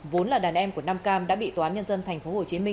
vốn là đàn em của nam cam đã bị tòa án nhân dân tp hcm